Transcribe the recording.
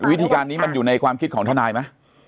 วิธีการนี้มันอยู่ในความคิดของทนายไหม